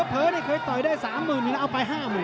เผลอเคยต่อยได้๓๐๐๐๐บาทแล้วเอาไป๕๐๐๐๐บาท